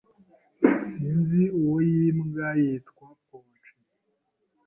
Sinzi uwoyi mbwa yitwa Pochi.